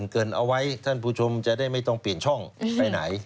เกินเอาไว้ท่านผู้ชมจะได้ไม่ต้องเปลี่ยนช่องไปไหน